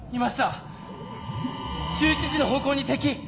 １１時の方向に敵！